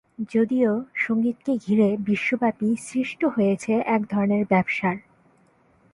যদিও সঙ্গীতকে ঘিরে বিশ্বব্যাপী সৃষ্ট হয়েছে এক ধরনের ব্যবসার।